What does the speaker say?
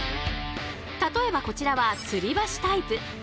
例えばこちらは吊り橋タイプ。